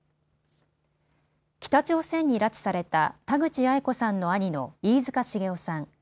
北朝鮮に拉致された田口八重子さんの兄の飯塚繁雄さん。